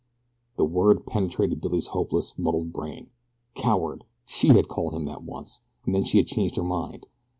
The word penetrated Billy's hopeless, muddled brain. Coward! SHE had called him that once, and then she had changed her mind.